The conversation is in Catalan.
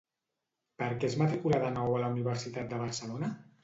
Per què es matriculà de nou a la Universitat de Barcelona?